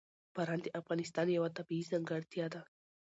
باران د افغانستان یوه طبیعي ځانګړتیا ده.